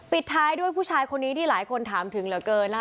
ปิดท้ายด้วยผู้ชายคนนี้ที่หลายคนถามถึงเหลือเกินนะคะ